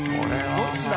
どっちだ？